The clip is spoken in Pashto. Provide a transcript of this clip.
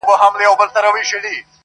انسانان هڅه کوي هېر کړي خو زړه نه مني-